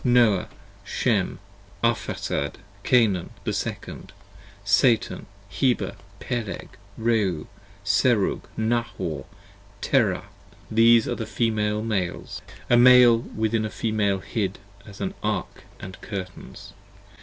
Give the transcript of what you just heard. Noah, Shem, Arphaxad, Cainan the Second, Satan, Heber, Peleg, Reu, Serug, Nahor, Terah: these are the Female Males: 15 A Male within a Female hid as in an Ark & Curtains.